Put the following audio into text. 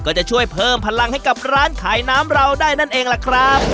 ก็จะช่วยเพิ่มพลังให้กับร้านขายน้ำเราได้นั่นเองล่ะครับ